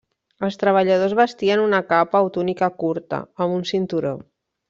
Els treballadors vestien una capa o túnica curta, amb un cinturó.